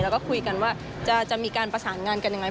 แล้วก็คุยกันว่าจะมีการประสานงานกันยังไง